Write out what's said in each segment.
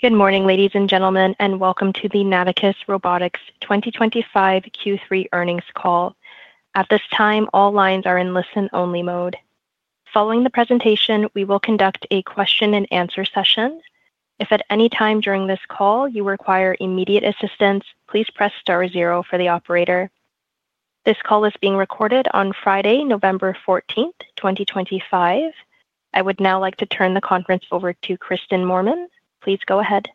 Good morning, ladies and gentlemen, and welcome to the Nauticus Robotics 2025 Q3 earnings call. At this time, all lines are in listen-only mode. Following the presentation, we will conduct a question-and-answer session. If at any time during this call you require immediate assistance, please press star zero for the Operator. This call is being recorded on Friday, November 14th, 2025. I would now like to turn the conference over to Kristin Moorman. Please go ahead.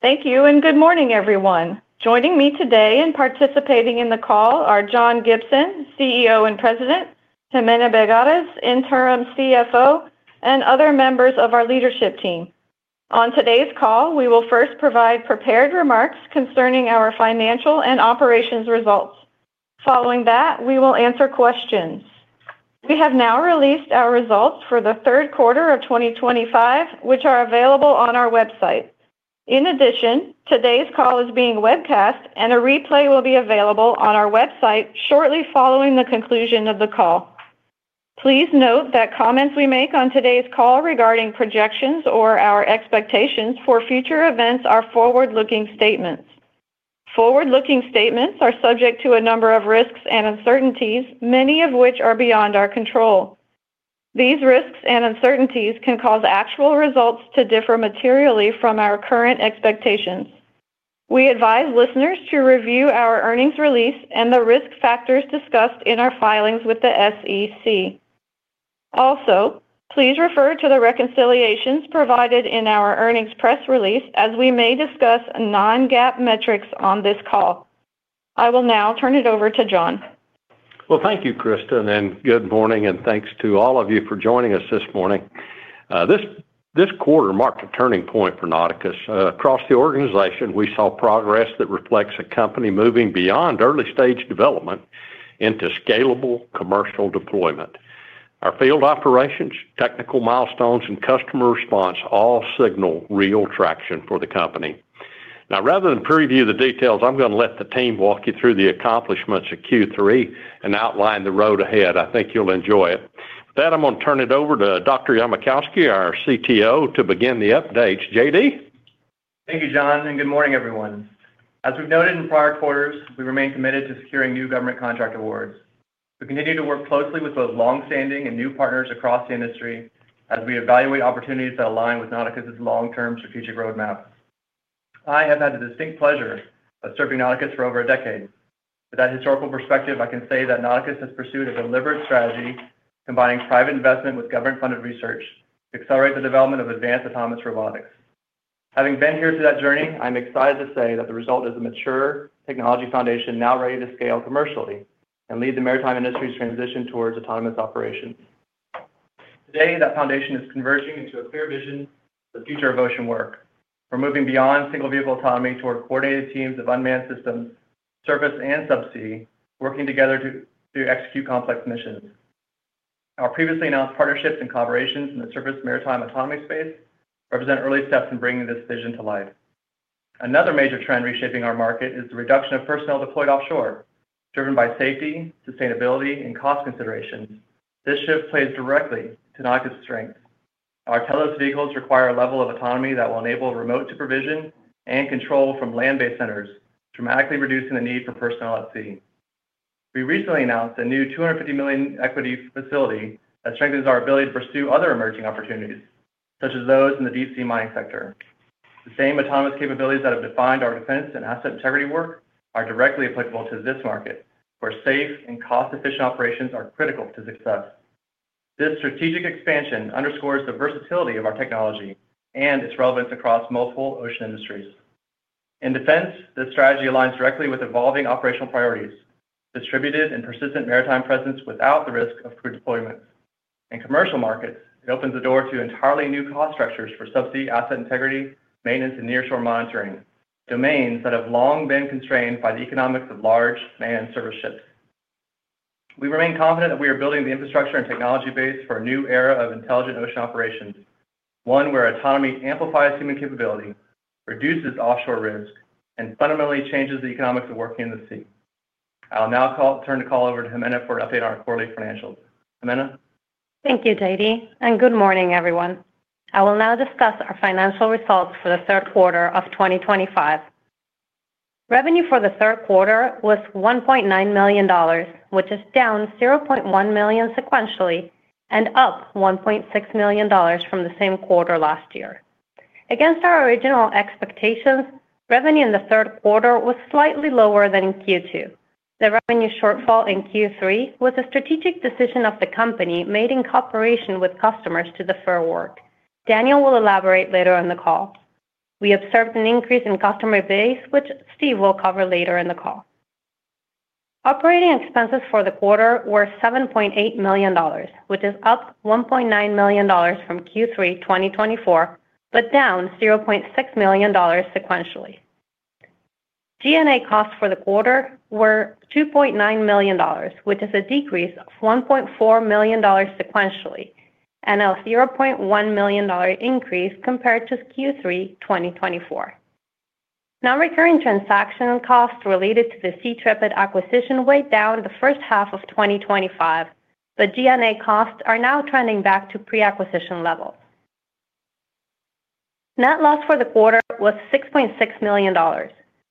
Thank you, and good morning, everyone. Joining me today and participating in the call are John Gibson, CEO and President; Jimena Begaries, Interim CFO; and other members of our leadership team. On today's call, we will first provide prepared remarks concerning our financial and operations results. Following that, we will answer questions. We have now released our results for the third quarter of 2025, which are available on our website. In addition, today's call is being webcast, and a replay will be available on our website shortly following the conclusion of the call. Please note that comments we make on today's call regarding projections or our expectations for future events are forward-looking statements. Forward-looking statements are subject to a number of risks and uncertainties, many of which are beyond our control. These risks and uncertainties can cause actual results to differ materially from our current expectations. We advise listeners to review our earnings release and the risk factors discussed in our filings with the SEC. Also, please refer to the reconciliations provided in our earnings press release, as we may discuss non-GAAP metrics on this call. I will now turn it over to John. Thank you, Kristin. Good morning, and thanks to all of you for joining us this morning. This quarter marked a turning point for Nauticus. Across the organization, we saw progress that reflects a company moving beyond early-stage development into scalable commercial deployment. Our field operations, technical milestones, and customer response all signal real traction for the company. Now, rather than preview the details, I'm going to let the team walk you through the accomplishments of Q3 and outline the road ahead. I think you'll enjoy it. With that, I'm going to turn it over to Dr. Yamokoski, our CTO, to begin the updates. JD? Thank you, John, and good morning, everyone. As we've noted in prior quarters, we remain committed to securing new government contract awards. We continue to work closely with both longstanding and new partners across the industry as we evaluate opportunities that align with Nauticus' long-term strategic roadmap. I have had the distinct pleasure of serving Nauticus for over a decade. With that historical perspective, I can say that Nauticus has pursued a deliberate strategy combining private investment with government-funded research to accelerate the development of advanced autonomous robotics. Having been here through that journey, I'm excited to say that the result is a mature technology foundation now ready to scale commercially and lead the maritime industry's transition towards autonomous operations. Today, that foundation is converging into a clear vision: the future of ocean work, where moving beyond single-vehicle autonomy toward coordinated teams of unmanned systems, surface and subsea, working together to execute complex missions. Our previously announced partnerships and collaborations in the surface maritime autonomy space represent early steps in bringing this vision to life. Another major trend reshaping our market is the reduction of personnel deployed offshore. Driven by safety, sustainability, and cost considerations, this shift plays directly to Nauticus' strengths. Our untethered vehicles require a level of autonomy that will enable remote supervision and control from land-based centers, dramatically reducing the need for personnel at sea. We recently announced a new $250 million equity facility that strengthens our ability to pursue other emerging opportunities, such as those in the Deep-Sea Mining sector. The same autonomous capabilities that have defined our defense and asset integrity work are directly applicable to this market, where safe and cost-efficient operations are critical to success. This strategic expansion underscores the versatility of our technology and its relevance across multiple ocean industries. In defense, this strategy aligns directly with evolving operational priorities: distributed and persistent maritime presence without the risk of pre-deployment. In commercial markets, it opens the door to entirely new cost structures for subsea asset integrity, maintenance, and near-shore monitoring—domains that have long been constrained by the economics of large manned service ships. We remain confident that we are building the infrastructure and technology base for a new era of intelligent ocean operations, one where autonomy amplifies human capability, reduces offshore risk, and fundamentally changes the economics of working in the sea. I'll now turn the call over to Jimena for an update on our quarterly financials. Jimena. Thank you, JD. Good morning, everyone. I will now discuss our financial results for the third quarter of 2025. Revenue for the third quarter was $1.9 million, which is down $0.1 million sequentially and up $1.6 million from the same quarter last year. Against our original expectations, revenue in the third quarter was slightly lower than in Q2. The revenue shortfall in Q3 was a strategic decision of the company made in cooperation with customers to defer work. Daniel will elaborate later on the call. We observed an increase in customer base, which Steve will cover later in the call. Operating expenses for the quarter were $7.8 million, which is up $1.9 million from Q3 2024 but down $0.6 million sequentially. G&A costs for the quarter were $2.9 million, which is a decrease of $1.4 million sequentially and a $0.1 million increase compared to Q3 2024. Non-recurring transaction costs related to the SeaTrepid acquisition went down the first half of 2025, but G&A costs are now trending back to pre-acquisition levels. Net loss for the quarter was $6.6 million.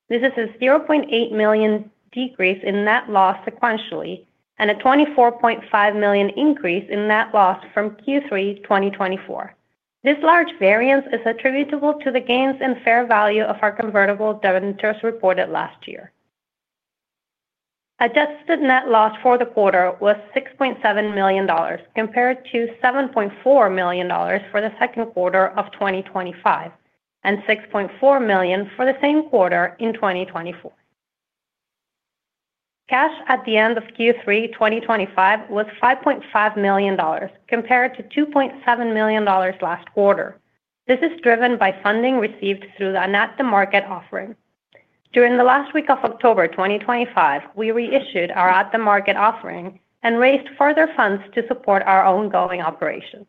This is a $0.8 million decrease in net loss sequentially and a $24.5 million increase in net loss from Q3 2024. This large variance is attributable to the gains in fair value of our convertible debt as reported last year. Adjusted net loss for the quarter was $6.7 million compared to $7.4 million for the second quarter of 2025 and $6.4 million for the same quarter in 2024. Cash at the end of Q3 2025 was $5.5 million compared to $2.7 million last quarter. This is driven by funding received through the at-the-market offering. During the last week of October 2025, we reissued our at-the-market offering and raised further funds to support our ongoing operations.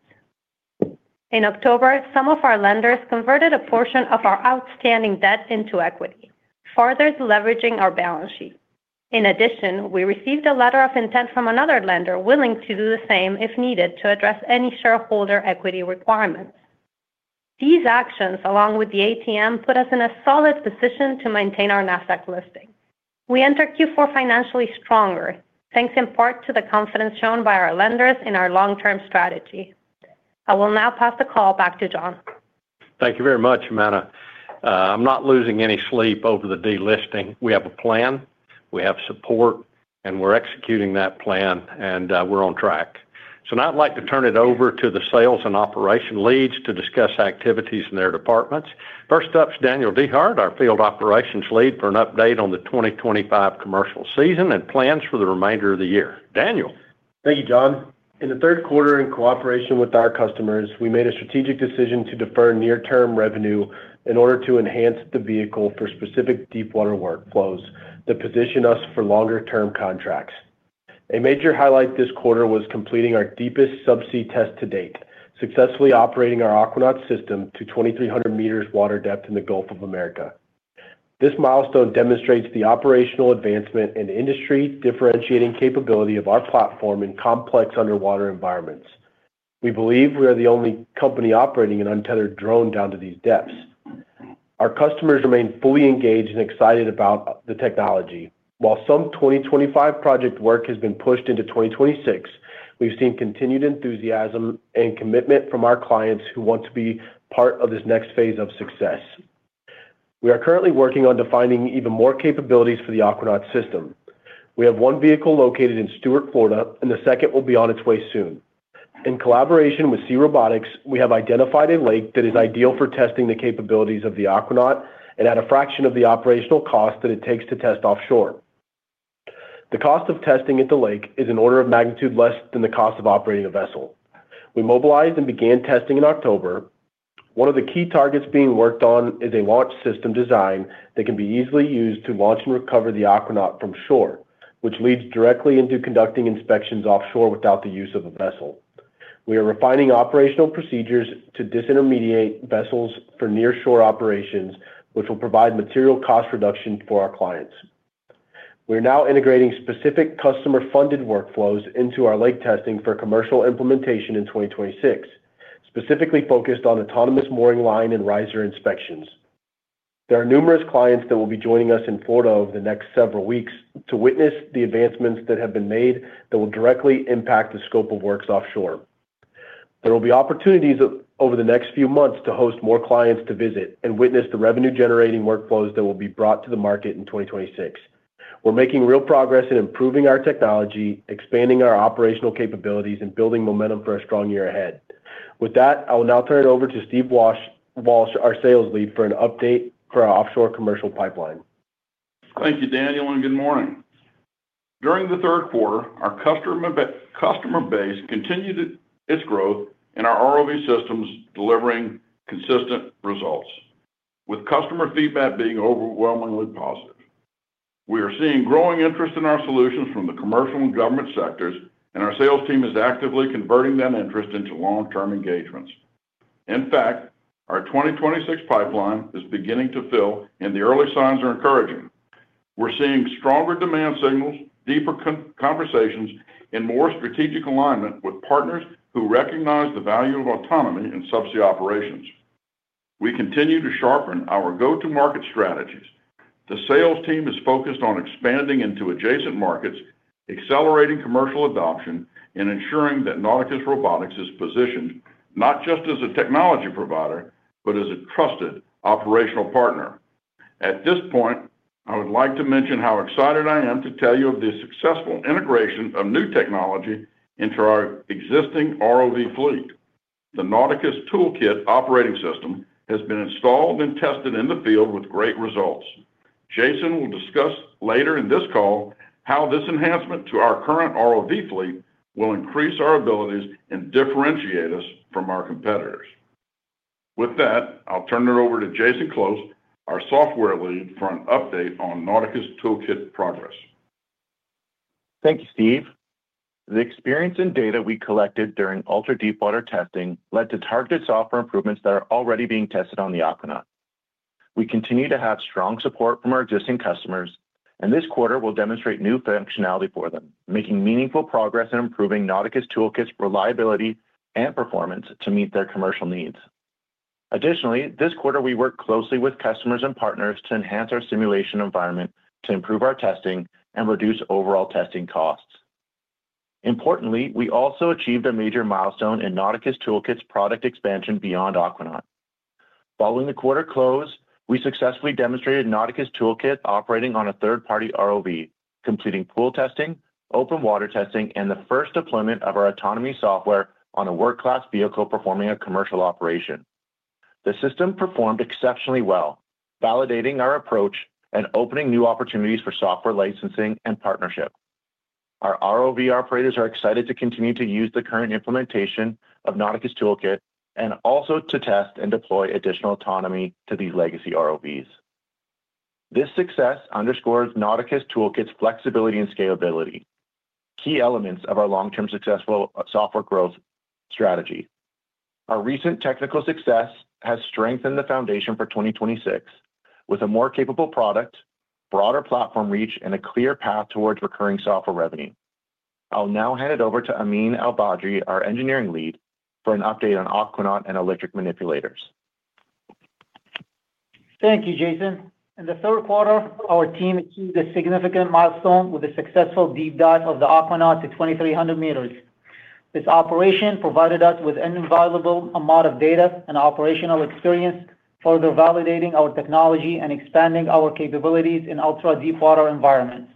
In October, some of our lenders converted a portion of our outstanding debt into equity, further leveraging our balance sheet. In addition, we received a letter of intent from another lender willing to do the same if needed to address any shareholder equity requirements. These actions, along with the ATM, put us in a solid position to maintain our Nasdaq listing. We entered Q4 financially stronger, thanks in part to the confidence shown by our lenders in our long-term strategy. I will now pass the call back to John. Thank you very much, Jimena. I'm not losing any sleep over the delisting. We have a plan, we have support, and we're executing that plan, and we're on track. Now I'd like to turn it over to the sales and operation leads to discuss activities in their departments. First up is Daniel Dehart, our field operations lead, for an update on the 2025 commercial season and plans for the remainder of the year. Daniel. Thank you, John. In the third quarter, in cooperation with our customers, we made a strategic decision to defer near-term revenue in order to enhance the vehicle for specific deep-water workflows that position us for longer-term contracts. A major highlight this quarter was completing our deepest subsea test to date, successfully operating our Aquanaut system to 2,300 meters water depth in the Gulf of America. This milestone demonstrates the operational advancement and industry-differentiating capability of our platform in complex underwater environments. We believe we are the only company operating an untethered drone down to these depths. Our customers remain fully engaged and excited about the technology. While some 2025 project work has been pushed into 2026, we've seen continued enthusiasm and commitment from our clients who want to be part of this next phase of success. We are currently working on defining even more capabilities for the Aquanaut system. We have one vehicle located in Stuart, Florida, and the second will be on its way soon. In collaboration with Sea Robotics, we have identified a lake that is ideal for testing the capabilities of the Aquanaut and at a fraction of the operational cost that it takes to test offshore. The cost of testing at the lake is an order of magnitude less than the cost of operating a vessel. We mobilized and began testing in October. One of the key targets being worked on is a launch system design that can be easily used to launch and recover the Aquanaut from shore, which leads directly into conducting inspections offshore without the use of a vessel. We are refining operational procedures to disintermediate vessels for near-shore operations, which will provide material cost reduction for our clients. We are now integrating specific customer-funded workflows into our lake testing for commercial implementation in 2026, specifically focused on autonomous mooring line and riser inspections. There are numerous clients that will be joining us in Florida over the next several weeks to witness the advancements that have been made that will directly impact the scope of works offshore. There will be opportunities over the next few months to host more clients to visit and witness the revenue-generating workflows that will be brought to the market in 2026. We're making real progress in improving our technology, expanding our operational capabilities, and building momentum for a strong year ahead. With that, I will now turn it over to Steve Walsh, our Sales Lead, for an update for our offshore commercial pipeline. Thank you, Daniel, and good morning. During the third quarter, our customer base continued its growth, and our ROV systems delivering consistent results, with customer feedback being overwhelmingly positive. We are seeing growing interest in our solutions from the commercial and government sectors, and our sales team is actively converting that interest into long-term engagements. In fact, our 2026 pipeline is beginning to fill, and the early signs are encouraging. We're seeing stronger demand signals, deeper conversations, and more strategic alignment with partners who recognize the value of autonomy in subsea operations. We continue to sharpen our go-to-market strategies. The sales team is focused on expanding into adjacent markets, accelerating commercial adoption, and ensuring that Nauticus Robotics is positioned not just as a technology provider but as a trusted operational partner. At this point, I would like to mention how excited I am to tell you of the successful integration of new technology into our existing ROV fleet. The Nauticus Toolkit Operating System has been installed and tested in the field with great results. Jason will discuss later in this call how this enhancement to our current ROV fleet will increase our abilities and differentiate us from our competitors. With that, I'll turn it over to Jason Close, our software lead, for an update on Nauticus Toolkit progress. Thank you, Steve. The experience and data we collected during ultra-deep-water testing led to targeted software improvements that are already being tested on the Aquanaut. We continue to have strong support from our existing customers, and this quarter will demonstrate new functionality for them, making meaningful progress in improving Nauticus Toolkit's reliability and performance to meet their commercial needs. Additionally, this quarter, we worked closely with customers and partners to enhance our simulation environment to improve our testing and reduce overall testing costs. Importantly, we also achieved a major milestone in Nauticus Toolkit's product expansion beyond Aquanaut. Following the quarter close, we successfully demonstrated Nauticus Toolkit operating on a third-party ROV, completing pool testing, open-water testing, and the first deployment of our autonomy software on a world-class vehicle performing a commercial operation. The system performed exceptionally well, validating our approach and opening new opportunities for software licensing and partnership. Our ROV operators are excited to continue to use the current implementation of Nauticus Toolkit and also to test and deploy additional autonomy to these legacy ROVs. This success underscores Nauticus Toolkit's flexibility and scalability, key elements of our long-term successful software growth strategy. Our recent technical success has strengthened the foundation for 2026, with a more capable product, broader platform reach, and a clear path towards recurring software revenue. I'll now hand it over to Ameen Albadri, our engineering lead, for an update on Aquanaut and electric manipulators. Thank you, Jason. In the third quarter, our team achieved a significant milestone with the successful deep dive of the Aquanaut to 2,300 meters. This operation provided us with an invaluable amount of data and operational experience, further validating our technology and expanding our capabilities in ultra-deep-water environments.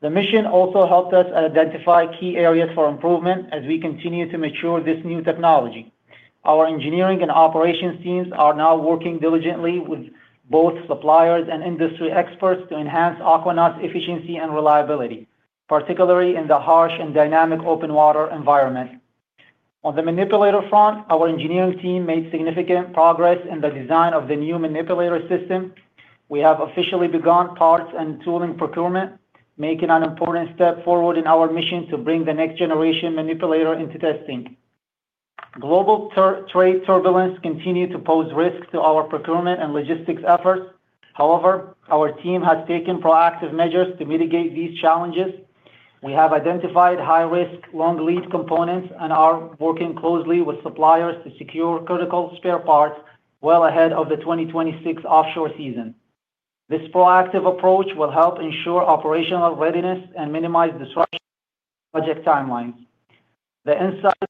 The mission also helped us identify key areas for improvement as we continue to mature this new technology. Our engineering and operations teams are now working diligently with both suppliers and industry experts to enhance Aquanaut's efficiency and reliability, particularly in the harsh and dynamic open-water environment. On the manipulator front, our engineering team made significant progress in the design of the new manipulator system. We have officially begun parts and tooling procurement, making an important step forward in our mission to bring the next-generation manipulator into testing. Global trade turbulence continues to pose risks to our procurement and logistics efforts. However, our team has taken proactive measures to mitigate these challenges. We have identified high-risk, long-lead components and are working closely with suppliers to secure critical spare parts well ahead of the 2026 offshore season. This proactive approach will help ensure operational readiness and minimize disruption in project timelines. The insights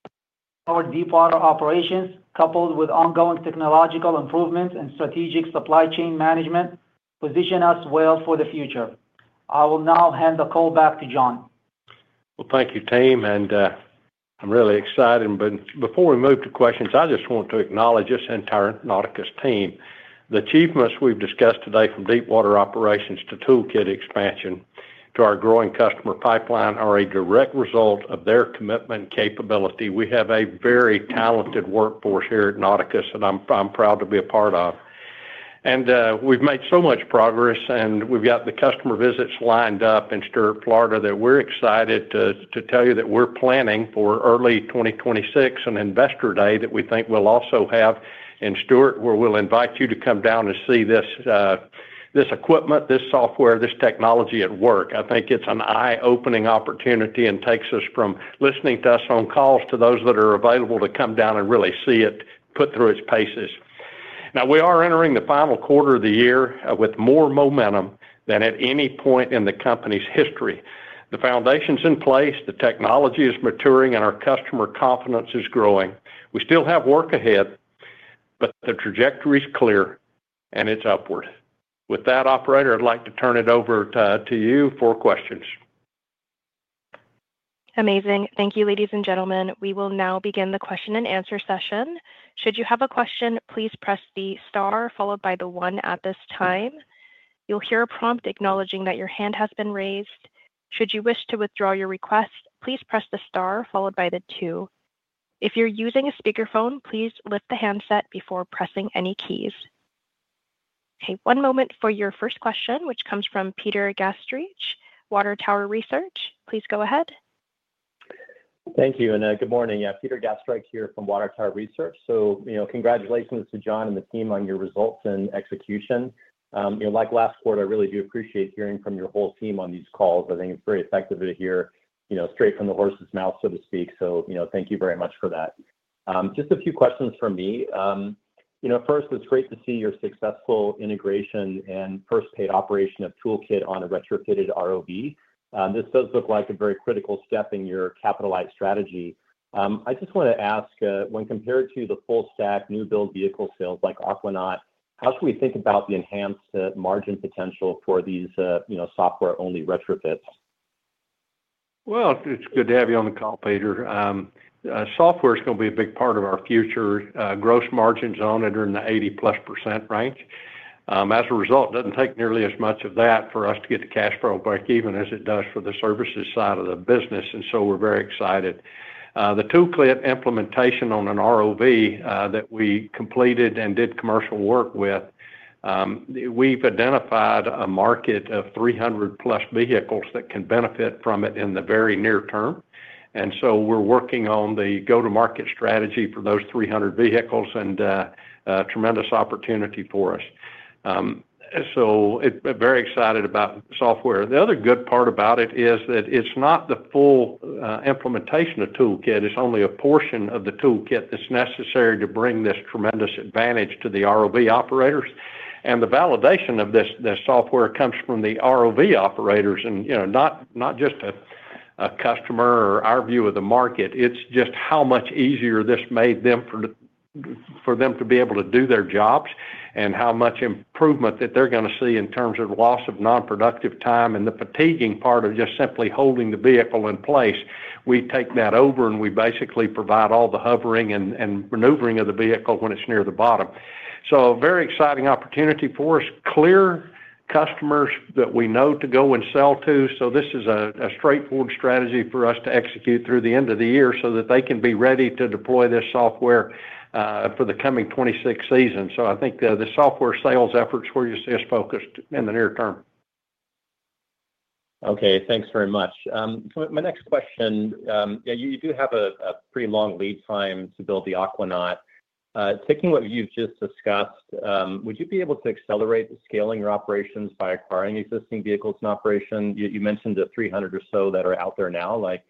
from our deep-water operations, coupled with ongoing technological improvements and strategic supply chain management, position us well for the future. I will now hand the call back to John. Thank you, team, and I'm really excited. Before we move to questions, I just want to acknowledge this entire Nauticus team. The achievements we've discussed today, from deep-water operations to toolkit expansion to our growing customer pipeline, are a direct result of their commitment and capability. We have a very talented workforce here at Nauticus that I'm proud to be a part of. We've made so much progress, and we've got the customer visits lined up in Stuart, Florida, that we're excited to tell you that we're planning for early 2026 an Investor Day that we think we'll also have in Stuart, where we'll invite you to come down and see this equipment, this software, this technology at work. I think it's an eye-opening opportunity and takes us from listening to us on calls to those that are available to come down and really see it put through its paces. Now, we are entering the final quarter of the year with more momentum than at any point in the company's history. The foundation's in place, the technology is maturing, and our customer confidence is growing. We still have work ahead, but the trajectory's clear, and it's upward. With that, Operator, I'd like to turn it over to you for questions. Amazing. Thank you, ladies and gentlemen. We will now begin the question-and-answer session. Should you have a question, please press the star, followed by the one at this time. You'll hear a prompt acknowledging that your hand has been raised. Should you wish to withdraw your request, please press the star, followed by the two. If you're using a speakerphone, please lift the handset before pressing any keys. Okay, one moment for your first question, which comes from Peter Gastreich, Water Tower Research. Please go ahead. Thank you, and good morning. Yeah, Peter Gastreich here from Water Tower Research. So, you know, congratulations to John and the team on your results and execution. Like last quarter, I really do appreciate hearing from your whole team on these calls. I think it's very effective to hear straight from the horse's mouth, so to speak. So, you know, thank you very much for that. Just a few questions for me. You know, first, it's great to see your successful integration and first paid operation of Toolkit on a retrofitted ROV. This does look like a very critical step in your capitalized strategy. I just want to ask, when compared to the full-stack new-build vehicle sales like Aquanaut, how should we think about the enhanced margin potential for these software-only retrofits? It is good to have you on the call, Peter. Software's going to be a big part of our future. Gross margins on it are in the 80% plus range. As a result, it does not take nearly as much of that for us to get the cash flow back, even as it does for the services side of the business. We are very excited. The toolkit implementation on an ROV that we completed and did commercial work with, we have identified a market of 300-plus vehicles that can benefit from it in the very near term. We are working on the go-to-market strategy for those 300 vehicles, and tremendous opportunity for us. Very excited about software. The other good part about it is that it is not the full implementation of Toolkit. It's only a portion of the Toolkit that's necessary to bring this tremendous advantage to the ROV operators. The validation of this software comes from the ROV operators, and not just a customer or our view of the market. It's just how much easier this made for them to be able to do their jobs and how much improvement that they're going to see in terms of loss of non-productive time and the fatiguing part of just simply holding the vehicle in place. We take that over, and we basically provide all the hovering and maneuvering of the vehicle when it's near the bottom. Very exciting opportunity for us, clear customers that we know to go and sell to. This is a straightforward strategy for us to execute through the end of the year so that they can be ready to deploy this software for the coming 2026 seasons. I think the software sales efforts for us is focused in the near term. Okay, thanks very much. My next question, yeah, you do have a pretty long lead time to build the Aquanaut. Taking what you've just discussed, would you be able to accelerate scaling your operations by acquiring existing vehicles in operation? You mentioned the 300 or so that are out there now. Like,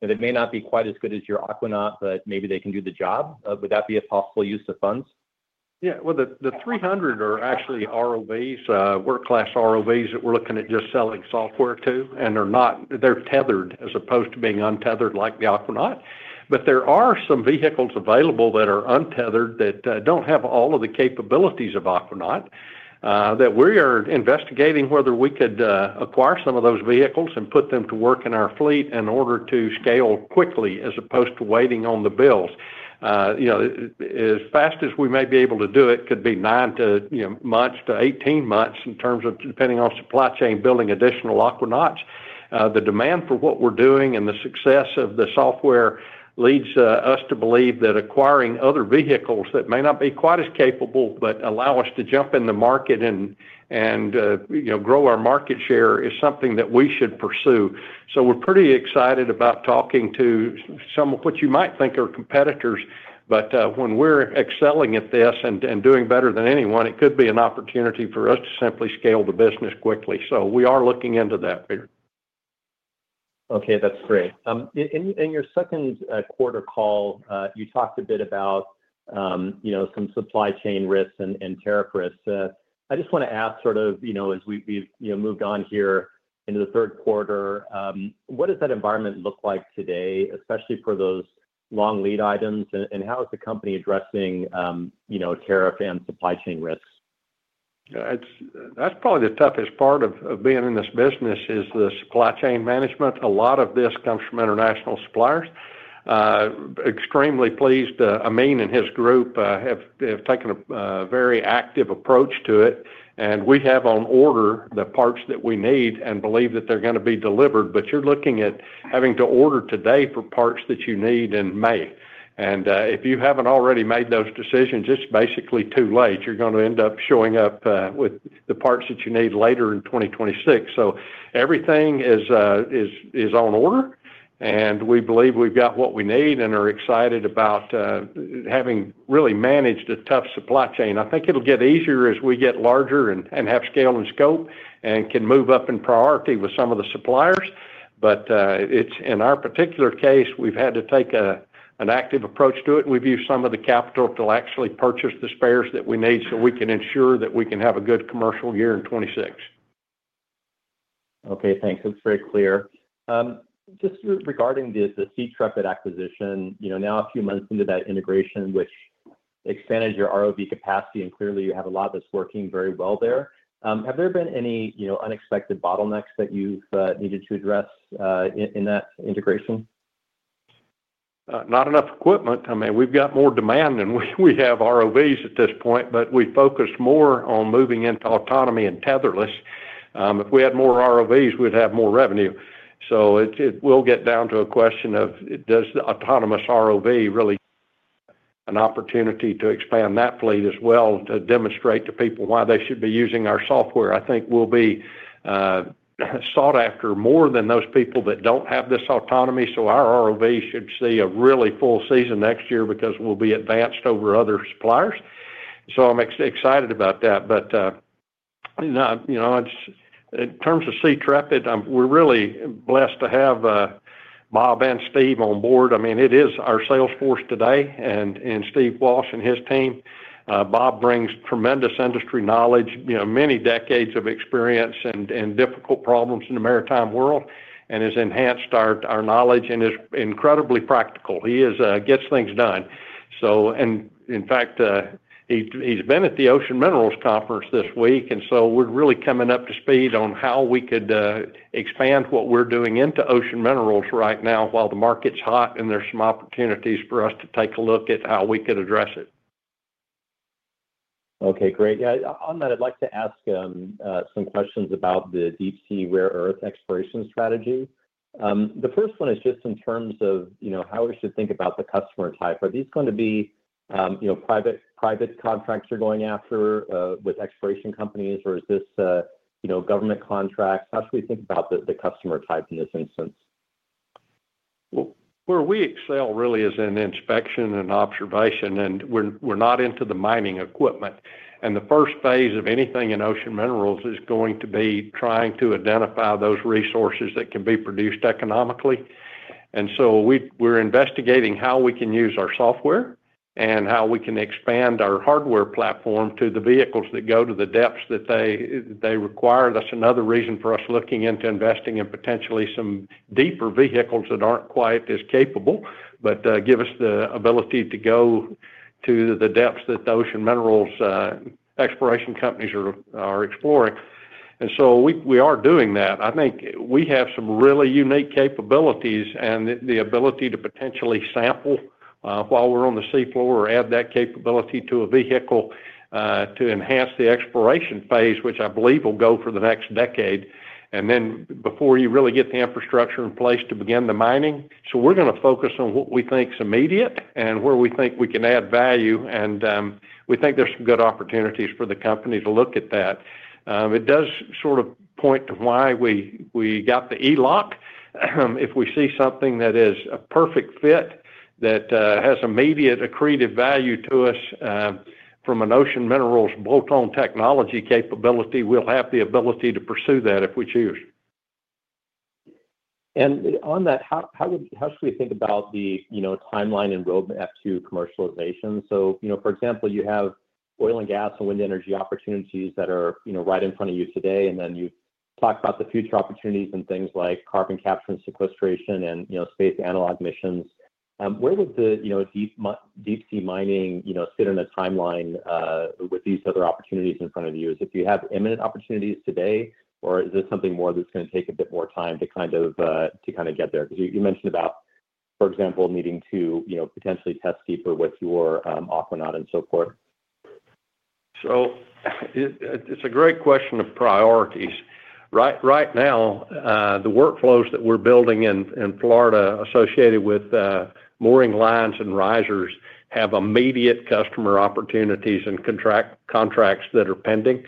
they may not be quite as good as your Aquanaut, but maybe they can do the job. Would that be a possible use of funds? Yeah, the 300 are actually ROVs, world-class ROVs that we're looking at just selling software to, and they're tethered as opposed to being untethered like the Aquanaut. There are some vehicles available that are untethered that don't have all of the capabilities of Aquanaut that we are investigating whether we could acquire some of those vehicles and put them to work in our fleet in order to scale quickly as opposed to waiting on the builds. As fast as we may be able to do it could be 9-18 months in terms of depending on supply chain, building additional Aquanauts. The demand for what we're doing and the success of the software leads us to believe that acquiring other vehicles that may not be quite as capable but allow us to jump in the market and grow our market share is something that we should pursue. We're pretty excited about talking to some of what you might think are competitors, but when we're excelling at this and doing better than anyone, it could be an opportunity for us to simply scale the business quickly. We are looking into that, Peter. Okay, that's great. In your second quarter call, you talked a bit about some supply chain risks and tariff risks. I just want to ask, as we've moved on here into the third quarter, what does that environment look like today, especially for those long-lead items, and how is the company addressing tariff and supply chain risks? That's probably the toughest part of being in this business is the supply chain management. A lot of this comes from international suppliers. Extremely pleased, Ameen and his group have taken a very active approach to it, and we have on order the parts that we need, and believe that they're going to be delivered. You're looking at having to order today for parts that you need in May. If you haven't already made those decisions, it's basically too late. You're going to end up showing up with the parts that you need later in 2026. Everything is on order, and we believe we've got what we need and are excited about having really managed a tough supply chain. I think it'll get easier as we get larger and have scale and scope, and can move up in priority with some of the suppliers. In our particular case, we've had to take an active approach to it. We've used some of the capital to actually purchase the spares that we need, so we can ensure that we can have a good commercial year in 2026. Okay, thanks. That's very clear. Just regarding the SeaTrepid acquisition, now a few months into that integration, which expanded your ROV capacity, and clearly, you have a lot that's working very well there. Have there been any unexpected bottlenecks that you've needed to address in that integration? Not enough equipment. I mean, we've got more demand than we have ROVs at this point, but we focus more on moving into autonomy and tetherless. If we had more ROVs, we'd have more revenue. It will get down to a question of does the autonomous ROV really an opportunity to expand that fleet as well to demonstrate to people why they should be using our software. I think we'll be sought after more than those people that don't have this autonomy. Our ROVs should see a really full season next year because we'll be advanced over other suppliers. I'm excited about that. In terms of SeaTrepid, we're really blessed to have Bob and Steve on board. I mean, it is our Salesforce today, and Steve Walsh and his team. Bob brings tremendous industry knowledge, many decades of experience, and difficult problems in the maritime world, and has enhanced our knowledge and is incredibly practical. He gets things done. In fact, he's been at the Ocean Minerals conference this week, and we are really coming up to speed on how we could expand what we're doing into Ocean Minerals right now, while the market's hot and there's some opportunities for us to take a look at how we could address it. Okay, great. Yeah, on that, I'd like to ask some questions about the deep-sea rare earth exploration strategy. The first one is just in terms of how we should think about the customer type. Are these going to be private contracts you're going after with exploration companies, or is this government contracts? How should we think about the customer type in this instance? Where we excel really is in inspection and observation, and we're not into the mining equipment. The first phase of anything in Ocean Minerals is going to be trying to identify those resources that can be produced economically. We are investigating how we can use our software and how we can expand our hardware platform to the vehicles that go to the depths that they require. That's another reason for us looking into investing in potentially some deeper vehicles that aren't quite as capable, but give us the ability to go to the depths that the Ocean Minerals exploration companies are exploring. We are doing that. I think we have some really unique capabilities and the ability to potentially sample while we're on the seafloor or add that capability to a vehicle to enhance the exploration phase, which I believe will go for the next decade, and then before you really get the infrastructure in place to begin the mining. We are going to focus on what we think is immediate and where we think we can add value, and we think there's some good opportunities for the company to look at that. It does sort of point to why we got the ELOC. If we see something that is a perfect fit that has immediate accretive value to us from an Ocean Minerals bolt-on technology capability, we'll have the ability to pursue that if we choose. How should we think about the timeline enrollment to commercialization? For example, you have oil and gas and wind energy opportunities that are right in front of you today, and then you've talked about the future opportunities and things like carbon capture and sequestration and space analog missions. Where would the Deep-Sea Mining sit in a timeline with these other opportunities in front of you? Is it that you have imminent opportunities today, or is this something more that's going to take a bit more time to kind of get there? You mentioned, for example, needing to potentially test deeper with your Aquanaut and so forth. It's a great question of priorities. Right now, the workflows that we're building in Florida associated with mooring lines and risers have immediate customer opportunities and contracts that are pending.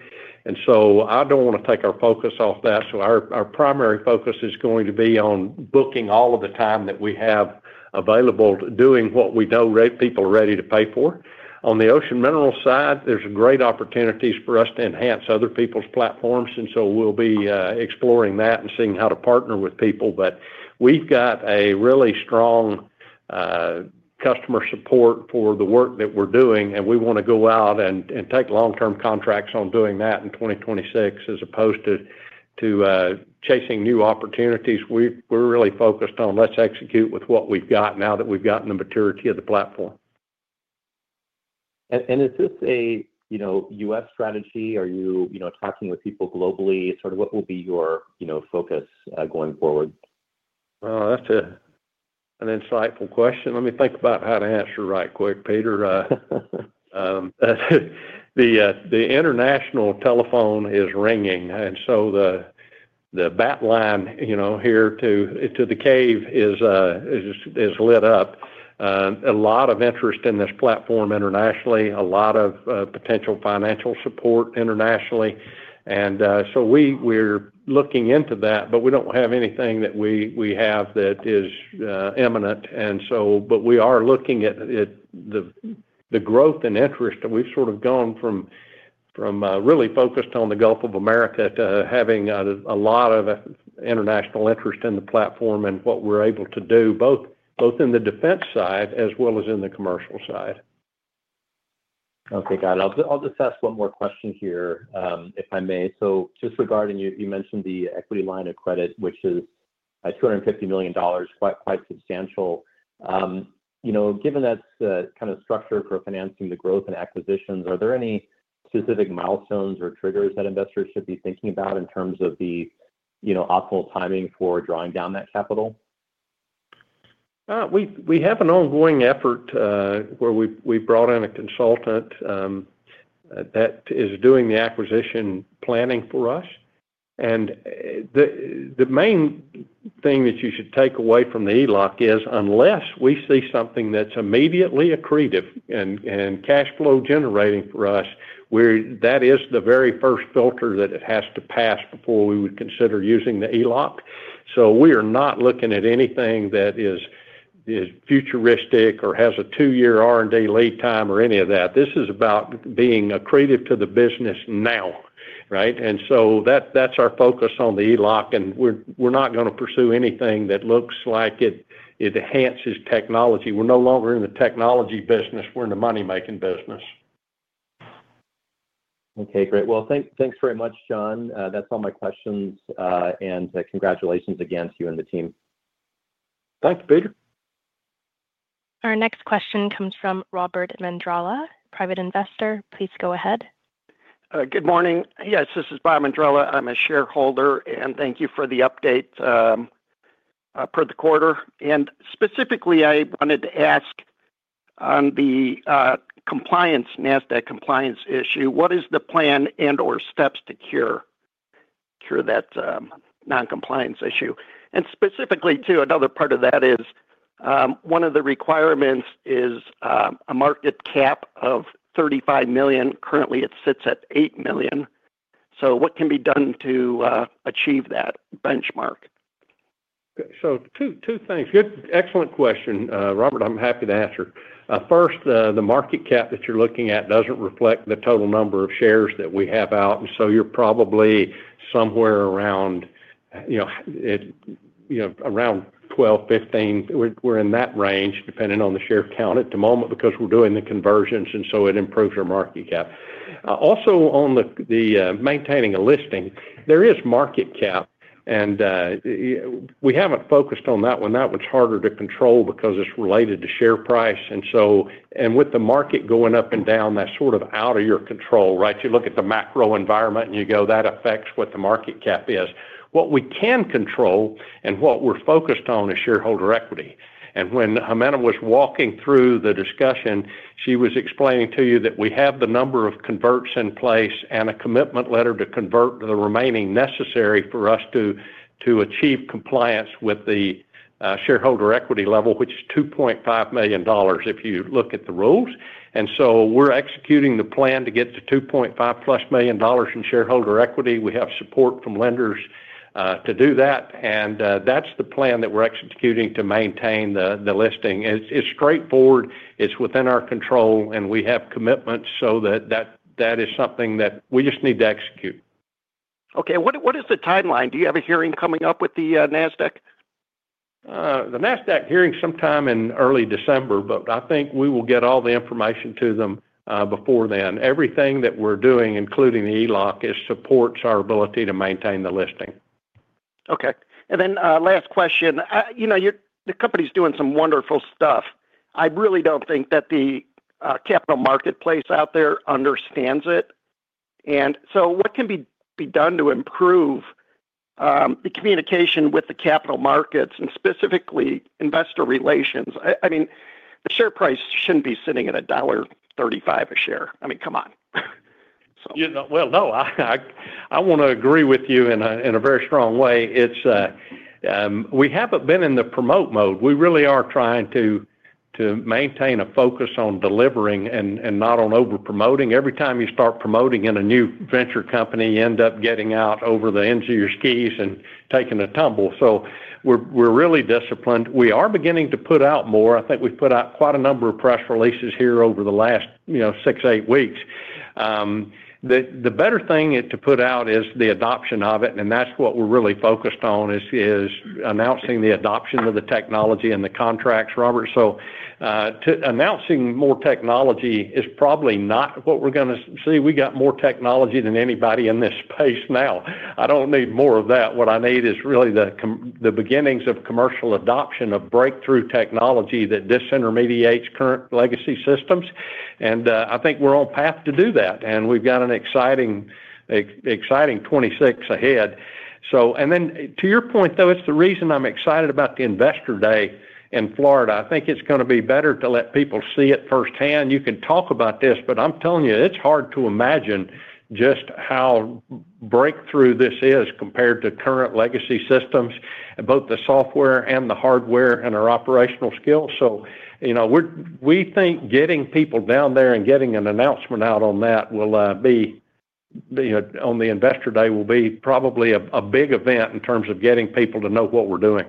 I don't want to take our focus off that. Our primary focus is going to be on booking all of the time that we have available to doing what we know people are ready to pay for. On the Ocean Minerals side, there's great opportunities for us to enhance other people's platforms, and we'll be exploring that and seeing how to partner with people. We've got a really strong customer support for the work that we're doing, and we want to go out and take long-term contracts on doing that in 2026 as opposed to chasing new opportunities. We're really focused on let's execute with what we've got now that we've gotten the maturity of the platform. Is this a U.S. strategy? Are you talking with people globally? Sort of what will be your focus going forward? That is an insightful question. Let me think about how to answer right quick, Peter. The international telephone is ringing, and the bat line here to the cave is lit up. A lot of interest in this platform internationally, a lot of potential financial support internationally. We are looking into that, but we do not have anything that we have that is imminent. We are looking at the growth and interest. We have sort of gone from really focused on the Gulf of America to having a lot of international interest in the platform and what we are able to do, both in the defense side as well as in the commercial side. Okay, got it. I'll just ask one more question here, if I may. So, just regarding you mentioned the equity line of credit, which is $250 million, quite substantial. Given that kind of structure for financing the growth and acquisitions, are there any specific milestones or triggers that investors should be thinking about in terms of the optimal timing for drawing down that capital? We have an ongoing effort where we've brought in a consultant that is doing the acquisition planning for us. The main thing that you should take away from the ELOC is unless we see something that's immediately accretive and cash flow generating for us, that is the very first filter that it has to pass before we would consider using the ELOC. We are not looking at anything that is futuristic or has a two-year R&D lead time or any of that. This is about being accretive to the business now, right? That's our focus on the ELOC, and we're not going to pursue anything that looks like it enhances technology. We're no longer in the technology business. We're in the money-making business. Okay, great. Thanks very much, John. That's all my questions, and congratulations again to you and the team. Thanks, Peter. Our next question comes from Robert Mandrala, Private Investor. Please go ahead. Good morning. Yes, this is Robert Mandrala. I'm a shareholder, and thank you for the update per the quarter. Specifically, I wanted to ask on the compliance, Nasdaq compliance issue. What is the plan and/or steps to cure that non-compliance issue? Specifically too, another part of that is one of the requirements is a market cap of $35 million. Currently, it sits at $8 million. What can be done to achieve that benchmark? Two things. Excellent question, Robert. I'm happy to answer. First, the market cap that you're looking at doesn't reflect the total number of shares that we have out, and you're probably somewhere around 12-15. We're in that range, depending on the share count at the moment, because we're doing the conversions, and it improves our market cap. Also, on maintaining a listing, there is market cap, and we haven't focused on that one. That one's harder to control because it's related to share price. With the market going up and down, that's sort of out of your control, right? You look at the macro environment and you go, "That affects what the market cap is." What we can control and what we're focused on is shareholder equity. When Jimena was walking through the discussion, she was explaining to you that we have the number of converts in place and a commitment letter to convert the remaining necessary for us to achieve compliance with the shareholder equity level, which is $2.5 million if you look at the rules. We are executing the plan to get to $2.5-plus million in shareholder equity. We have support from lenders to do that, and that is the plan that we are executing to maintain the listing. It is straightforward. It is within our control, and we have commitments, so that is something that we just need to execute. Okay. What is the timeline? Do you have a hearing coming up with the Nasdaq? The Nasdaq hearing is sometime in early December, but I think we will get all the information to them before then. Everything that we're doing, including the ELOC, supports our ability to maintain the listing. Okay. And then last question. The company's doing some wonderful stuff. I really don't think that the capital marketplace out there understands it. What can be done to improve the communication with the capital markets and specifically investor relations? I mean, the share price shouldn't be sitting at $1.35 a share. I mean, come on. No, I want to agree with you in a very strong way. We haven't been in the promote mode. We really are trying to maintain a focus on delivering and not on over-promoting. Every time you start promoting in a new venture company, you end up getting out over the ends of your skis and taking a tumble. We are really disciplined. We are beginning to put out more. I think we've put out quite a number of press releases here over the last six to eight weeks. The better thing to put out is the adoption of it, and that's what we're really focused on, is announcing the adoption of the technology and the contracts, Robert. Announcing more technology is probably not what we're going to see. We have more technology than anybody in this space now. I don't need more of that. What I need is really the beginnings of commercial adoption of breakthrough technology that disintermediates current legacy systems. I think we're on path to do that, and we've got an exciting 2026 ahead. To your point, though, it's the reason I'm excited about the investor day in Florida. I think it's going to be better to let people see it firsthand. You can talk about this, but I'm telling you, it's hard to imagine just how breakthrough this is compared to current legacy systems, both the software and the hardware, and our operational skills. We think getting people down there and getting an announcement out on that will be on the investor day will be probably a big event in terms of getting people to know what we're doing.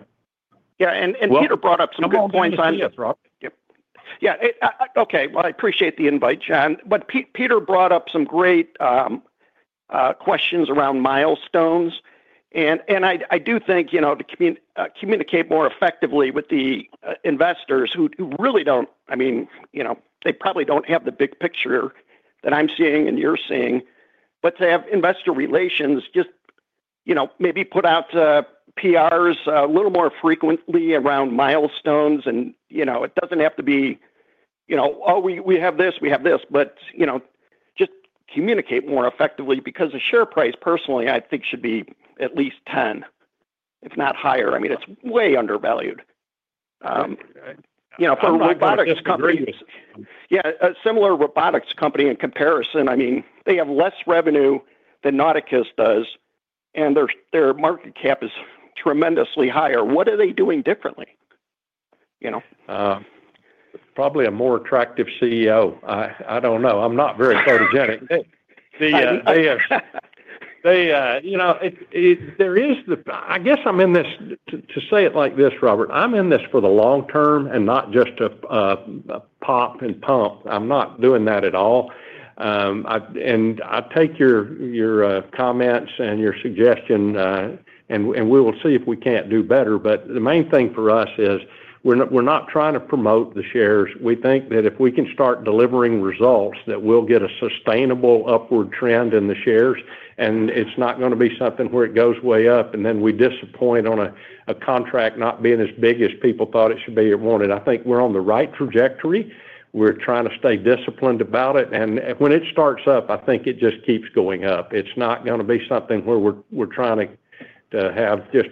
Yeah. Peter brought up some good points. I'm going to ask you this, Robert. Yeah. Okay. I appreciate the invite, John. Peter brought up some great questions around milestones. I do think to communicate more effectively with the investors who really do not, I mean, they probably do not have the big picture that I am seeing and you are seeing, to have investor relations just maybe put out PRs a little more frequently around milestones. It does not have to be, "Oh, we have this, we have this," just communicate more effectively because the share price, personally, I think should be at least 10, if not higher. I mean, it is way undervalued. Robotics companies. Yeah. A similar robotics company in comparison. I mean, they have less revenue than Nauticus does, and their market cap is tremendously higher. What are they doing differently? Probably a more attractive CEO. I don't know. I'm not very photogenic. I guess I'm in this to say it like this, Robert. I'm in this for the long term and not just to pop and pump. I'm not doing that at all. I take your comments and your suggestion, and we will see if we can't do better. The main thing for us is we're not trying to promote the shares. We think that if we can start delivering results, we'll get a sustainable upward trend in the shares, and it's not going to be something where it goes way up and then we disappoint on a contract not being as big as people thought it should be or wanted. I think we're on the right trajectory. We're trying to stay disciplined about it. When it starts up, I think it just keeps going up. It's not going to be something where we're trying to have just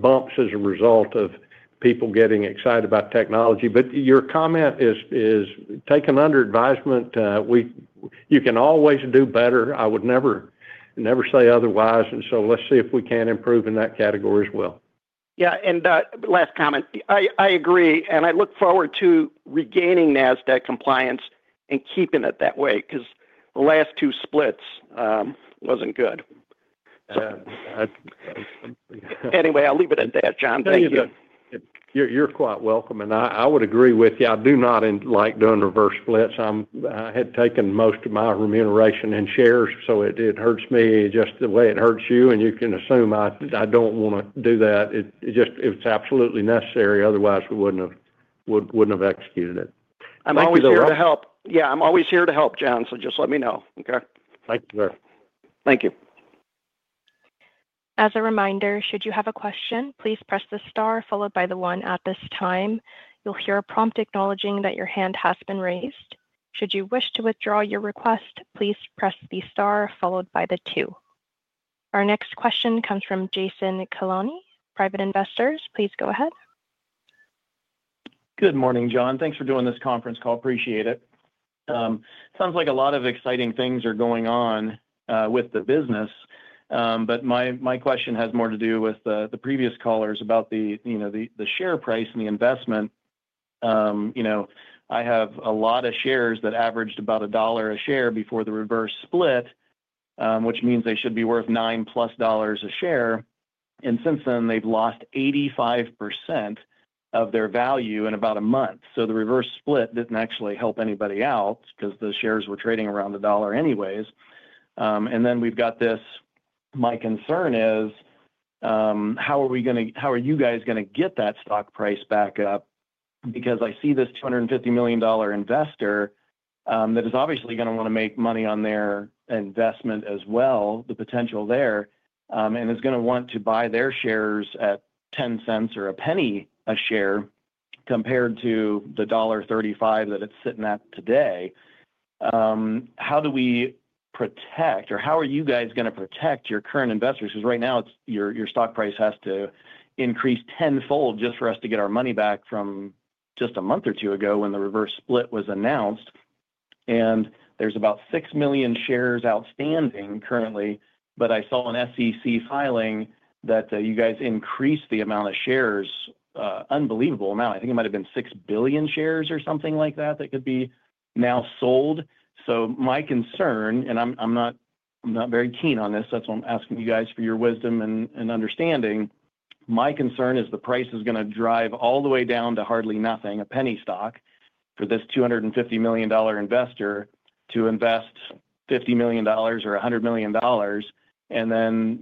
bumps as a result of people getting excited about technology. Your comment is taken under advisement. You can always do better. I would never say otherwise. Let's see if we can improve in that category as well. Yeah. Last comment. I agree, and I look forward to regaining Nasdaq compliance and keeping it that way because the last two splits was not good. Anyway, I will leave it at that, John. Thank you. You're quite welcome. I would agree with you. I do not like doing reverse splits. I had taken most of my remuneration in shares, so it hurts me just the way it hurts you, and you can assume I do not want to do that. It is absolutely necessary. Otherwise, we would not have executed it. I'm always here to help. Yeah. I'm always here to help, John, so just let me know. Okay? Thank you, sir. Thank you. As a reminder, should you have a question, please press the star followed by the one at this time. You'll hear a prompt acknowledging that your hand has been raised. Should you wish to withdraw your request, please press the star followed by the two. Our next question comes from Jason Nicolini, Private Investors. Please go ahead. Good morning, John. Thanks for doing this conference call. Appreciate it. Sounds like a lot of exciting things are going on with the business. My question has more to do with the previous callers about the share price and the investment. I have a lot of shares that averaged about $1 a share before the reverse split, which means they should be worth $9 plus a share. Since then, they've lost 85% of their value in about a month. The reverse split did not actually help anybody out because the shares were trading around $1 anyways. My concern is, how are you guys going to get that stock price back up? Because I see this $250 million investor that is obviously going to want to make money on their investment as well, the potential there, and is going to want to buy their shares at 10 cents or a penny a share, compared to the $1.35 that it's sitting at today. How do we protect, or how are you guys going to protect your current investors? Because right now, your stock price has to increase tenfold just for us to get our money back from just a month or two ago, when the reverse split was announced. There are about 6 million shares outstanding currently, but I saw an SEC filing that you guys increased the amount of shares, unbelievable amount. I think it might have been 6 billion shares or something like that that could be now sold. My concern, and I'm not very keen on this, that's why I'm asking you guys for your wisdom and understanding. My concern is the price is going to drive all the way down to hardly nothing, a penny stock for this $250 million investor to invest $50 million or $100 million.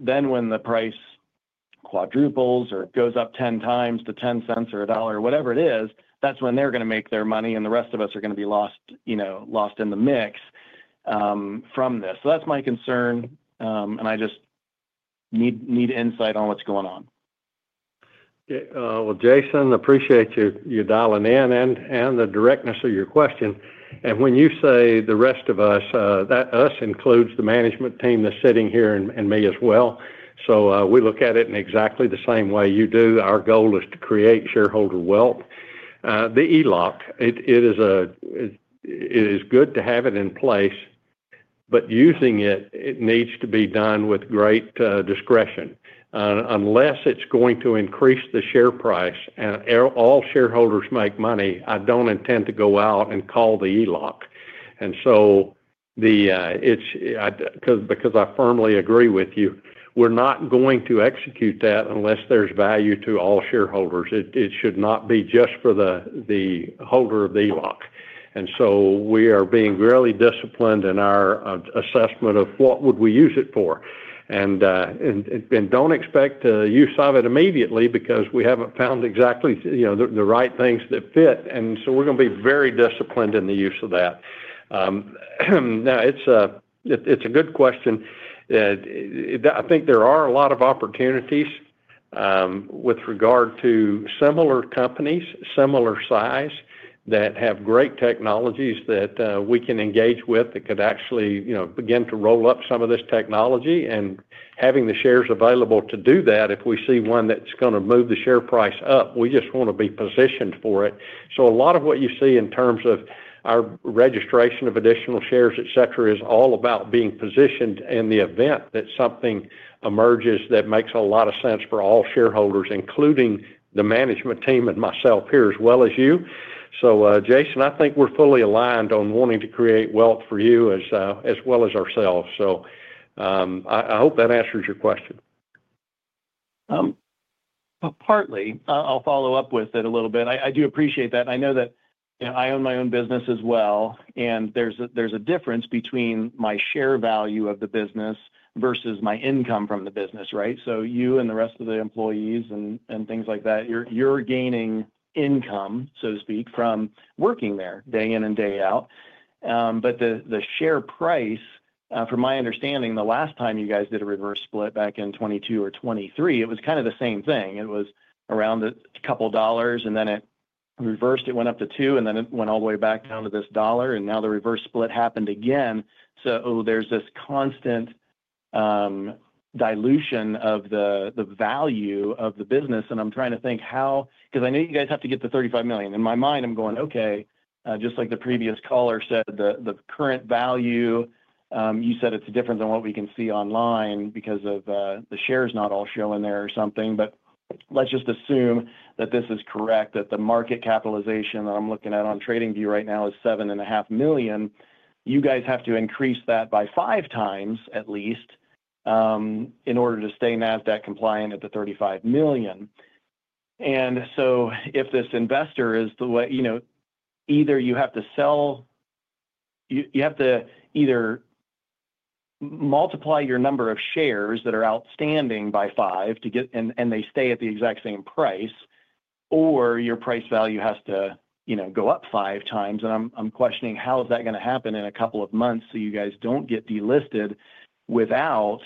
Then, when the price quadruples or goes up 10 times to 10 cents or a dollar or whatever it is, that's when they're going to make their money, and the rest of us are going to be lost in the mix from this. That's my concern, and I just need insight on what's going on. Jason, appreciate your dialing in and the directness of your question. When you say the rest of us, that us includes the management team that's sitting here and me as well. We look at it in exactly the same way you do. Our goal is to create shareholder wealth. The ELOC, it is good to have it in place, but using it needs to be done with great discretion. Unless it's going to increase the share price and all shareholders make money, I don't intend to go out and call the ELOC. Because I firmly agree with you, we're not going to execute that unless there's value to all shareholders. It should not be just for the holder of the ELOC. We are being really disciplined in our assessment of what we would use it for. Do not expect use of it immediately because we have not found exactly the right things that fit. We are going to be very disciplined in the use of that. It is a good question. I think there are a lot of opportunities with regard to similar companies, similar size, that have great technologies that we can engage with that could actually begin to roll up some of this technology. Having the shares available to do that, if we see one that is going to move the share price up, we just want to be positioned for it. A lot of what you see in terms of our registration of additional shares, etc., is all about being positioned in the event that something emerges that makes a lot of sense for all shareholders, including the management team and myself here, as well as you. Jason, I think we're fully aligned on wanting to create wealth for you as well as ourselves. I hope that answers your question. Partly, I'll follow up with it a little bit. I do appreciate that. I know that I own my own business as well, and there's a difference between my share value of the business versus my income from the business, right? You and the rest of the employees and things like that, you're gaining income, so to speak, from working there day in and day out. The share price, from my understanding, the last time you guys did a reverse split back in 2022 or 2023, it was kind of the same thing. It was around a couple of dollars, and then it reversed, it went up to two, and then it went all the way back down to this dollar, and now the reverse split happened again. There's this constant dilution of the value of the business. I'm trying to think how, because I know you guys have to get the $35 million. In my mind, I'm going, "Okay. Just like the previous caller said, the current value, you said it's different than what we can see online because the shares not all showing there or something." Let's just assume that this is correct, that the market capitalization that I'm looking at on TradingView right now is $7.5 million. You guys have to increase that by five times at least in order to stay Nasdaq compliance at the $35 million. If this investor is the way, either you have to sell, you have to either multiply your number of shares that are outstanding by five, and they stay at the exact same price, or your price value has to go up five times. I'm questioning how is that going to happen in a couple of months, so you guys don't get delisted without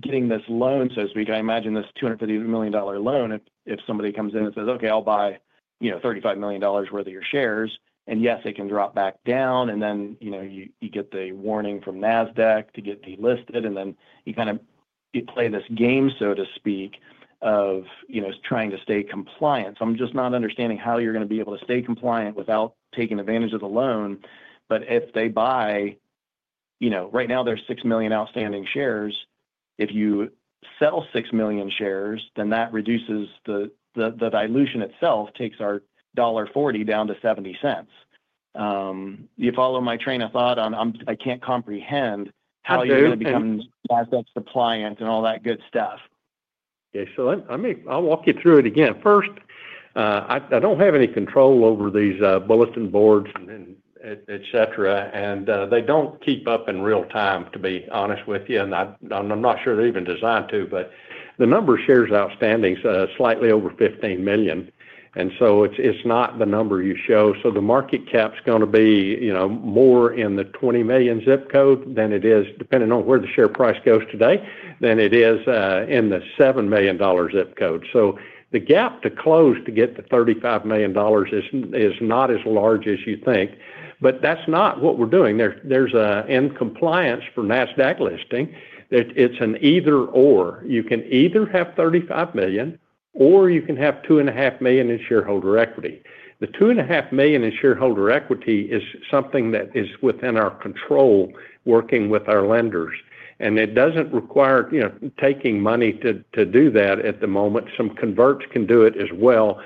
getting this loan, so to speak. I imagine this $250 million loan, if somebody comes in and says, "Okay, I'll buy $35 million worth of your shares." Yes, it can drop back down, and then you get the warning from Nasdaq to get delisted, and then you kind of play this game, so to speak, of trying to stay compliant. I'm just not understanding how you're going to be able to stay compliant without taking advantage of the loan. If they buy right now, there's 6 million outstanding shares. If you sell 6 million shares, then that reduces the dilution itself, takes our $1.40 down to $0.70. You follow my train of thought, on I can't comprehend how you're going to become Nasdaq compliance and all that good stuff. Yeah. I'll walk you through it again. First, I don't have any control over these bulletin boards, etc., and they don't keep up in real time, to be honest with you. I'm not sure they're even designed to, but the number of shares outstanding is slightly over 15 million. It's not the number you show. The market cap's going to be more in the $20 million zip code than it is, depending on where the share price goes today, than it is in the $7 million zip code. The gap to close to get to $35 million is not as large as you think, but that's not what we're doing. There's an in-compliance for Nasdaq listing. It's an either/or. You can either have $35 million or you can have $2.5 million in shareholder equity. The $2.5 million in shareholder equity is something that is within our control, working with our lenders. It does not require taking money to do that at the moment. Some converts can do it as well,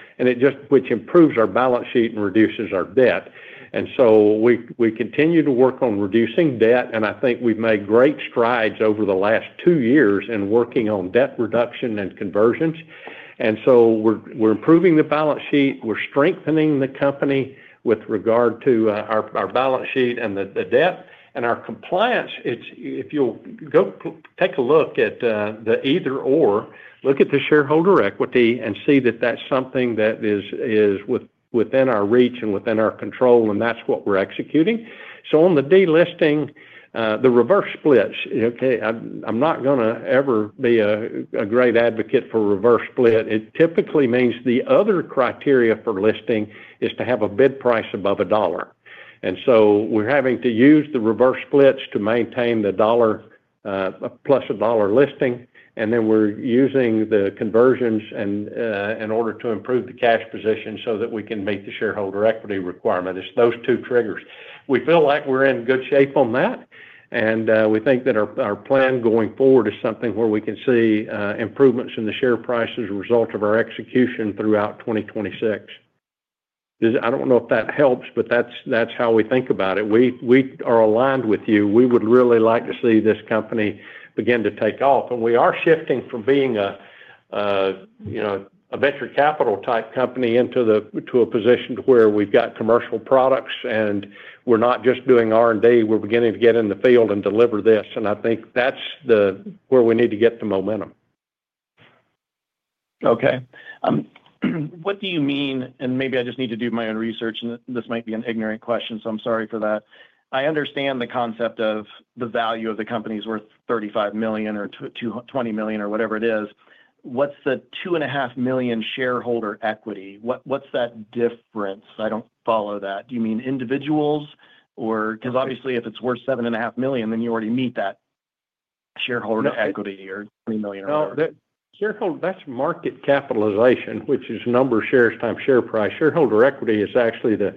which improves our balance sheet and reduces our debt. We continue to work on reducing debt, and I think we have made great strides over the last two years in working on debt reduction and conversions. We are improving the balance sheet. We are strengthening the company with regard to our balance sheet and the debt. Our compliance, if you will take a look at the either/or, look at the shareholder equity, and see that is something that is within our reach and within our control, and that is what we are executing. On the delisting, the reverse splits, okay, I am not going to ever be a great advocate for reverse split. It typically means the other criteria for listing is to have a bid price above a dollar. We're having to use the reverse splits to maintain the dollar-plus-a-dollar listing. We're using the conversions in order to improve the cash position so that we can meet the shareholder equity requirement. It's those two triggers. We feel like we're in good shape on that, and we think that our plan going forward is something where we can see improvements in the share prices as a result of our execution throughout 2026. I don't know if that helps, but that's how we think about it. We are aligned with you. We would really like to see this company begin to take off. We are shifting from being a venture capital type company into a position to where we've got commercial products and we're not just doing R&D. We're beginning to get in the field and deliver this. I think that's where we need to get the momentum. Okay. What do you mean? And maybe I just need to do my own research, and this might be an ignorant question, so I'm sorry for that. I understand the concept of the value of the company's worth $35 million or $20 million or whatever it is. What's the $2.5 million shareholder equity? What's that difference? I don't follow that. Do you mean individuals, or because obviously if it's worth $7.5 million, then you already meet that shareholder equity, or $20 million or whatever? No, that's market capitalization, which is number of shares times share price. Shareholder equity is actually the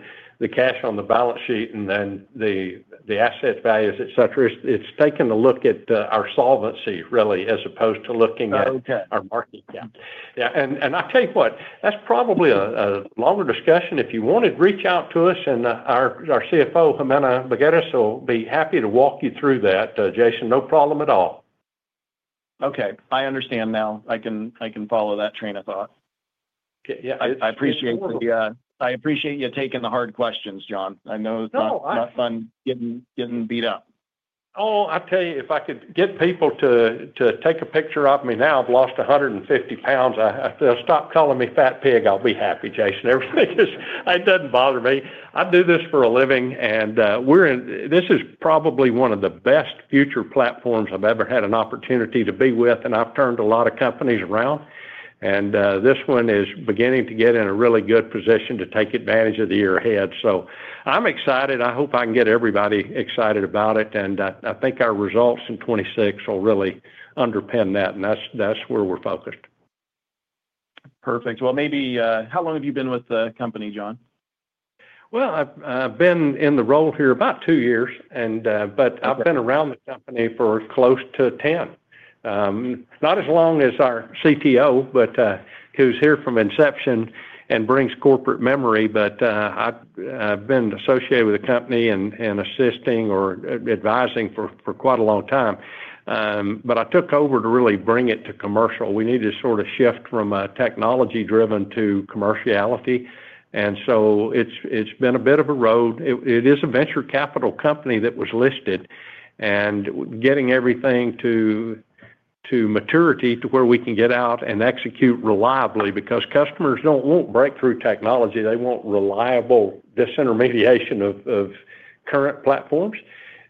cash on the balance sheet, and then the asset values, etc. It's taking a look at our solvency, really, as opposed to looking at our market cap. Yeah. I tell you what, that's probably a longer discussion. If you want to reach out to us and our CFO, Jimena Begaries, will be happy to walk you through that, Jason, no problem at all. Okay. I understand now. I can follow that train of thought. Yeah. I appreciate you taking the hard questions, John. I know it's not fun getting beat up. Oh, I tell you, if I could get people to take a picture of me now, I've lost 150 pounds. Stop calling me fat pig. I'll be happy, Jason. It doesn't bother me. I do this for a living, and this is probably one of the best future platforms I've ever had an opportunity to be with, and I've turned a lot of companies around. This one is beginning to get in a really good position to take advantage of the year ahead. I am excited. I hope I can get everybody excited about it, and I think our results in 2026 will really underpin that, and that is where we are focused. Perfect. Maybe how long have you been with the company, John? I have been in the role here about two years, but I have been around the company for close to 10. Not as long as our CTO, who is here from inception and brings corporate memory, but I have been associated with the company and assisting or advising for quite a long time. I took over to really bring it to commercial. We needed to sort of shift from technology-driven to commerciality. It has been a bit of a road. It is a venture capital company that was listed and getting everything to maturity to where we can get out and execute reliably because customers will not break through technology. They want reliable disintermediation of current platforms.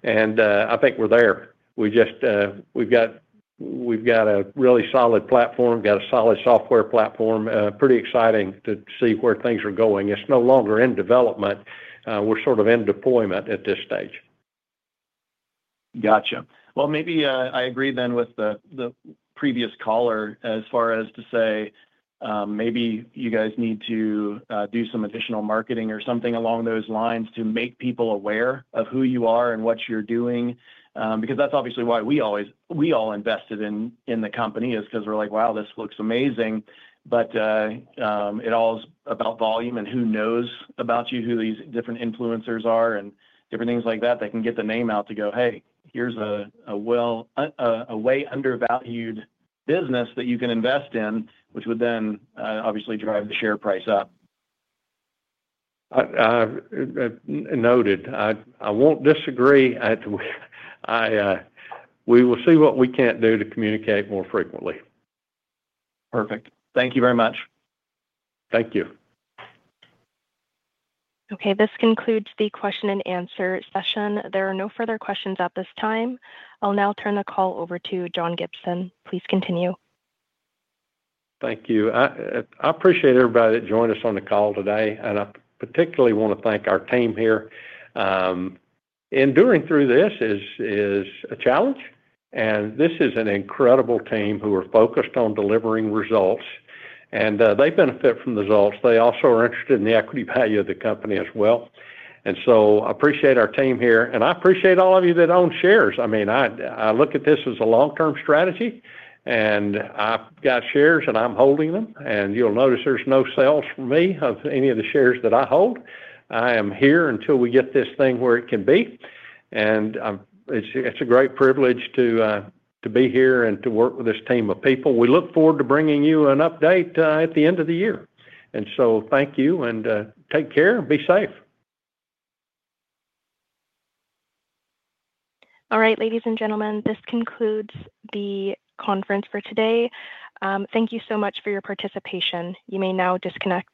I think we are there. We have got a really solid platform, got a solid software platform, pretty exciting to see where things are going. It is no longer in development. We're sort of in deployment at this stage. Gotcha. Maybe I agree then with the previous caller as far as to say maybe you guys need to do some additional marketing or something along those lines to make people aware of who you are and what you're doing, because that's obviously why we all invested in the company, is because we're like, "Wow, this looks amazing." It all is about volume and who knows about you, who these different influencers are, and different things like that that can get the name out to go, "Hey, here's a way undervalued business that you can invest in," which would then obviously drive the share price up. Noted. I won't disagree. We will see what we can't do to communicate more frequently. Perfect. Thank you very much. Thank you. Okay. This concludes the question and answer session. There are no further questions at this time. I'll now turn the call over to John Gibson. Please continue. Thank you. I appreciate everybody that joined us on the call today, and I particularly want to thank our team here. Enduring through this is a challenge, and this is an incredible team who are focused on delivering results, and they benefit from the results. They also are interested in the equity value of the company as well. I appreciate our team here, and I appreciate all of you that own shares. I mean, I look at this as a long-term strategy, and I've got shares, and I'm holding them. You'll notice there's no sales for me of any of the shares that I hold. I am here until we get this thing where it can be. It's a great privilege to be here and to work with this team of people. We look forward to bringing you an update at the end of the year. Thank you, and take care and be safe. All right, ladies and gentlemen, this concludes the conference for today. Thank you so much for your participation. You may now disconnect.